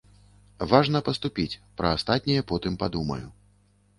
Важна паступіць, пра астатняе потым падумаю.